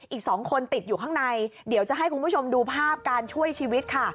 อีก๒คนติดอยู่ข้างในเดี๋ยวจะให้คุณผู้ชมดูภาพการช่วยชีวิตค่ะ